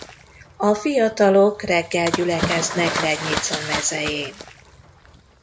A fiatalok reggel gyülekeznek Lednica mezején.